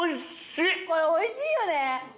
これおいしいよね！